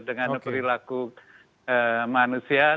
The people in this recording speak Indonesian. dengan perilaku manusia